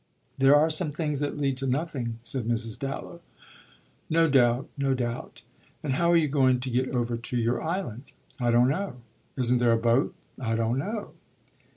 "There are some things that lead to nothing," said Mrs. Dallow. "No doubt no doubt. And how are you going to get over to your island?" "I don't know." "Isn't there a boat?" "I don't know."